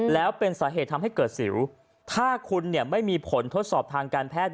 แล้วเป็นสาเหตุทำให้เกิดสิวถ้าคุณเนี่ยไม่มีผลทดสอบทางการแพทย์